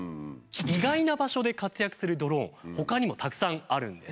意外な場所で活躍するドローンほかにもたくさんあるんです。